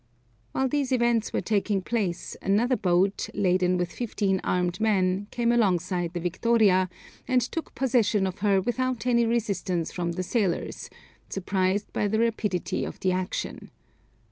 While these events were taking place, another boat, laden with fifteen armed men, came alongside the Victoria, and took possession of her without any resistance from the sailors, surprised by the rapidity of the action.